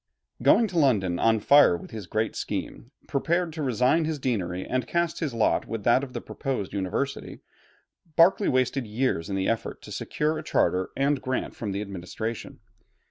Going to London on fire with his great scheme, prepared to resign his deanery and cast in his lot with that of the proposed University, Berkeley wasted years in the effort to secure a charter and grant from the administration.